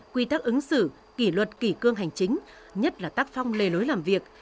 quy tắc ứng xử kỷ luật kỷ cương hành chính nhất là tác phong lề lối làm việc